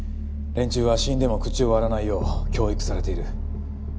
連中は死んでも口を割らないよう教育されている。